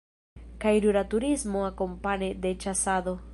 Kaj rura turismo akompane de ĉasado.